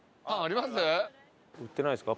売ってないですか？